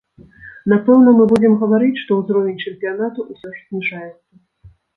Напэўна, мы будзем гаварыць, што ўзровень чэмпіянату ўсё ж зніжаецца.